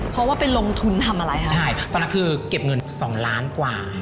เพราะว่าไปลงทุนทำอะไรคะใช่ตอนนั้นคือเก็บเงินสองล้านกว่า